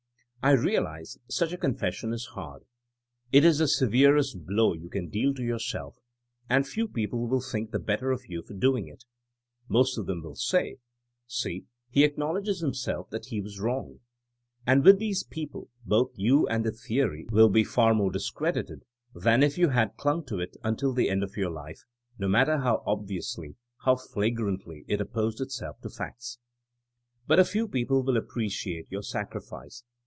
I realize such a confession is hard. It is the severest blow you can deal to your self, and few people will think the better of you for doing it. Most of them will say, S ee, h e acknowledges himself that he was wrong.'* And withjbhese peoplgj both you anT jour the ory^wiU^be f ar more discredited than if you h ad clung to it until the end of your life, no matter how obviously, how flagirannyTlfopposed itself to facts. But a f ewpeople will appreciate your sacrifice.